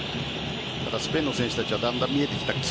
スペインの選手たちはだんだん見えてきた感じ。